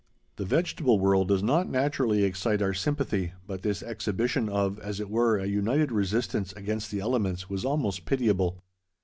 The vegetable world does not naturally excite our sympathy, but this exhibition of, as it were, a united resistance against the elements was almost pitiable.